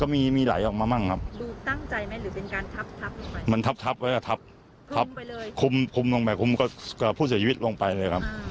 มีมีไหลออกมาบ้างครับดูตั้งใจไหมหรือเป็นการทับทับลงไปมันทับทับไว้ก็ทับทับไปเลยคุมคุมลงไปคุมผู้เสียชีวิตลงไปเลยครับ